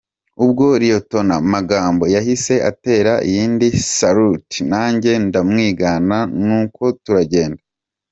Ubwo Lt Magambo yahise atera iyindi saluti, nanjye ndamwigana n’uko turagenda.